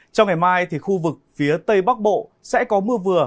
trong ngày mai khu vực phía tây bắc bộ sẽ có mưa vừa